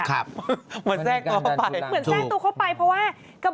ครับเหมือนแซ่งตัวเข้าไปเหมือนแซ่งตัวเข้าไปเพราะว่ามันมีการดันทุนรัง